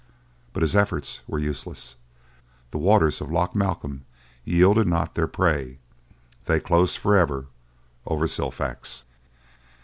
But his efforts were useless. The waters of Loch Malcolm yielded not their prey: they closed forever over Silfax.